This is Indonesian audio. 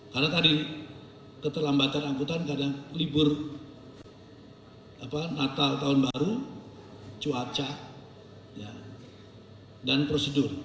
karena tadi keterlambatan angkutan kadang libur natal tahun baru cuaca dan prosedur